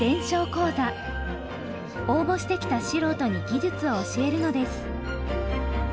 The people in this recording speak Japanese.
応募してきた素人に技術を教えるのです。